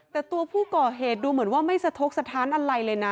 แต่ตัวผู้ก่อเหตุดูเหมือนว่าไม่สะทกสถานอะไรเลยนะ